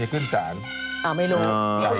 คืนสารอ้อไม่รู้